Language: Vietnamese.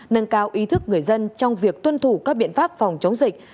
nâng cao ý thức người dân trong việc tuân thủ các biện pháp phòng chống dịch